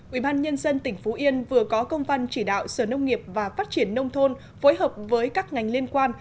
ubnd tỉnh phú yên vừa có công văn chỉ đạo sở nông nghiệp và phát triển nông thôn phối hợp với các ngành liên quan